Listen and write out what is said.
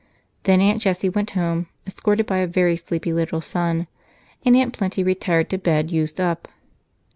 Then Aunt Jessie went home, escorted by a very sleepy little son, and Aunt Plenty retired to bed, used up.